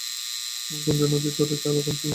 গুঞ্জন, নদী ধরে চলো - কন্ট্রোল নাও।